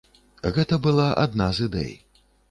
Гэта была адна з ідэй.